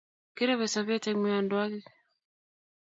Kirepe sobet eng miandwakik